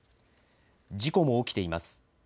事故も起きています。